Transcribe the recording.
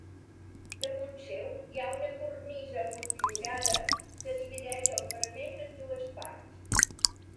Damunt seu hi ha una cornisa motllurada que divideix el parament en dues parts.